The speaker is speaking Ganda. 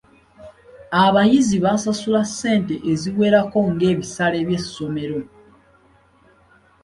Abayizi basasula ssente eziwerako ng’ebisale by’essomero.